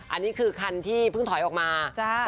อันนี้คือคันที่เพิ่งถอยออกมา